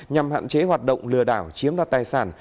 nhằm hạn chế hoạt động lừa đảo chiếm đoạt tài sản